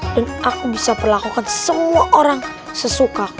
dan aku bisa melakukan semua orang sesuka